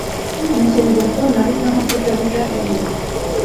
ntekereza ko nahitamo kutarya ibyo